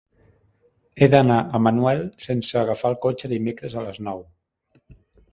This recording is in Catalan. He d'anar a Manuel sense agafar el cotxe dimecres a les nou.